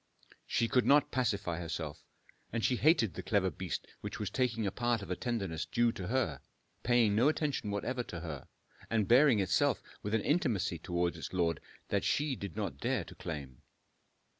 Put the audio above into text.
She could not pacify herself, and she hated the clever beast which was taking a part of the tenderness due to her, paying no attention whatever to her, and bearing itself with an intimacy towards its lord that she did not dare to claim.